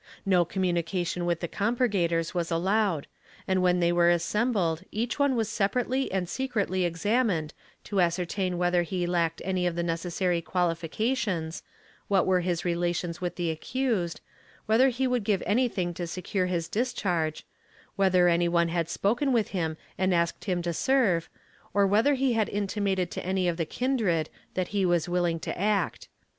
No communication with the com purgators was allowed, and when they were assembled each one was separately and secretly examined to ascertain whether he lacked any of the necessary qualifications, what were his relations with the accused, whether he would give anything to secure his discharge, whether any one had spoken with him and asked him to serve, or whether he had intimated to any of the kindred that he was willing to act.